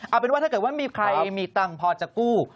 เอาเป็นว่าถ้าเกิดว่ามีใครมีตังค์พอจะกู้